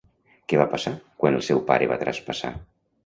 Què va passar quan el seu pare va traspassar?